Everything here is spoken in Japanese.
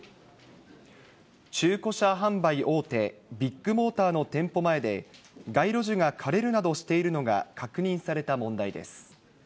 中古車販売大手、ビッグモーターの店舗前で、街路樹が枯れるなどしているのが確認された問題です。